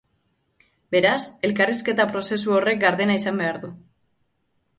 Beraz, elkarrizketa prozesu horrek gardena izan behar du.